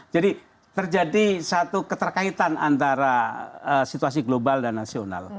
jadi terjadi satu keterkaitan antara situasi global dan nasional